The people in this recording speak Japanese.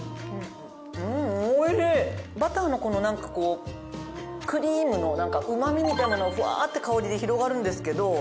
バターのなんかこうクリームのうまみみたいなのがフワーッて香りで広がるんですけど。